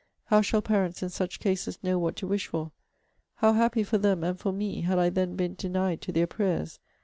how shall parents in such cases know what to wish for! How happy for them, and for me, had I then been denied to their prayers!